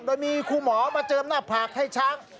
โดยมีครูหมอมาเจิมหน้าผากให้ช้าง